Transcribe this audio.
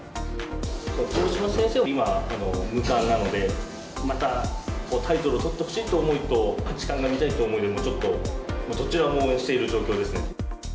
豊島先生は今は無冠なので、またタイトルを取ってほしいという思いと、八冠が見たいという思いと、ちょっと、どちらも応援している状況ですね。